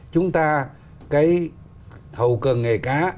chúng ta cái hậu cận nghề cá